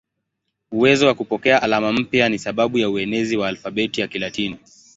Uwezo wa kupokea alama mpya ni sababu ya uenezi wa alfabeti ya Kilatini.